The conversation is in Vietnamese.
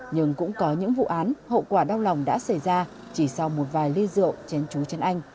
nhưng cũng có những vụ án hậu quả đau lòng đã xảy ra chỉ sau một vài ly rượu tránh trú chân anh